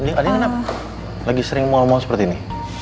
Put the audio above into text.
andi andi kenapa lagi sering mual mual seperti ini